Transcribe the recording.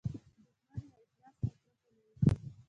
دښمن له اخلاص نه کرکه لري